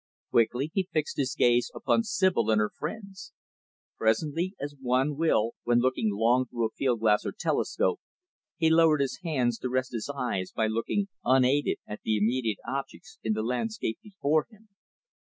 Quickly he fixed his gaze again upon Sibyl and her friends. Presently, as one will when looking long through a field glass or telescope, he lowered his hands, to rest his eyes by looking, unaided, at the immediate objects in the landscape before him.